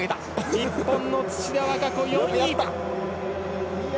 日本の土田和歌子４位。